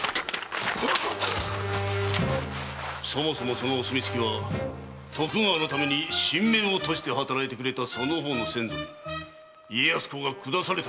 そもそもそのお墨付きは徳川のために身命を賭して働いてくれたその方の先祖に家康公が下されたものである。